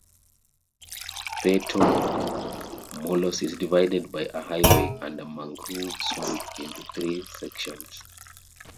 Puerto Morelos is divided by a highway and a mangrove swamp into three sections.